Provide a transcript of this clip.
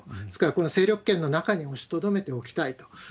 ですからこの勢力圏の中に押しとどめておきたいと。